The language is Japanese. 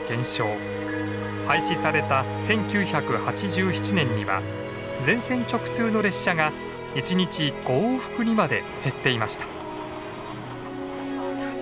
廃止された１９８７年には全線直通の列車が１日５往復にまで減っていました。